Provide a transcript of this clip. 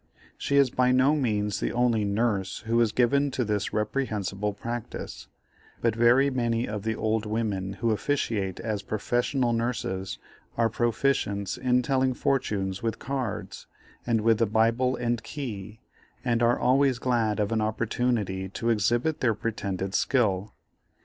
She is by no means the only "nurse" who is given to this reprehensible practice, but very many of the old women who officiate as professional nurses are proficients in telling fortunes with cards, and with the Bible and key, and are always glad of an opportunity to exhibit their pretended skill.